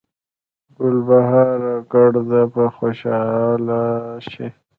ګلبهاره ګړد به خوشحاله شي